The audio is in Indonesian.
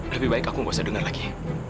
lebih baik aku gak usah dengar lagi